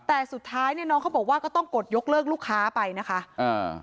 แต่สุดท้ายเนี่ยน้องเขาบอกว่าก็ต้องกดยกเลิกลูกค้าไปนะคะอ่า